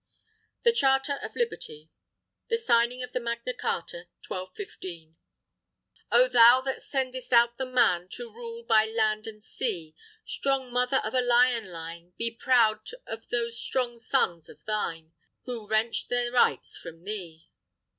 THE CHARTER OF LIBERTY The Signing of the Magna Carta, 1215 _O Thou, that sendest out the man To rule by land and sea, Strong mother of a Lion line, Be proud of those strong sons of thine, Who wrenched their rights from thee!